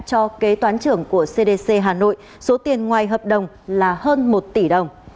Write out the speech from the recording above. cho kế toán trưởng của cdc hà nội số tiền ngoài hợp đồng là hơn một tỷ đồng